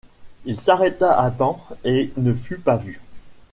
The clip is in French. Il s’arrêta à temps et ne fut pas vu.